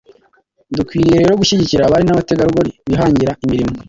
Dukwiye rero gushyigikira abari n’abategarugori bihangira imirimo